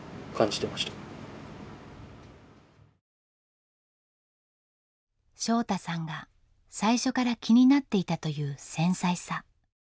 印象は翔大さんが最初から気になっていたという繊細さ。